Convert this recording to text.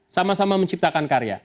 sama sama menciptakan karya